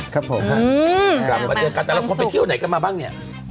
กลับมาเจอกันแต่เราควรไปเที่ยวไหนกันมาบ้างเนี่ย